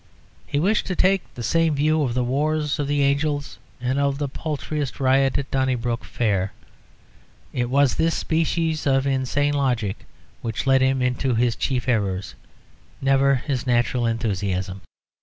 He wished to take the same view of the wars of the angels and of the paltriest riot at Donnybrook Fair. It was this species of insane logic which led him into his chief errors, never his natural enthusiasms.